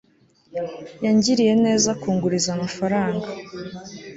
yangiriye neza kunguriza amafaranga